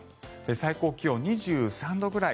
最高気温２３度くらい。